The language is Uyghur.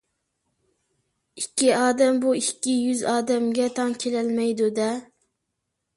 ئىككى ئادەم بۇ ئىككى يۈز ئادەمگە تەڭ كېلەلمەيدۇ-دە.